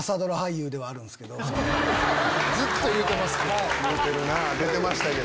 ずっと言うてますけど。